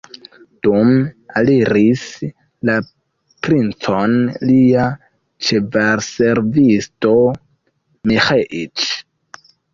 Dume aliris la princon lia ĉevalservisto Miĥeiĉ.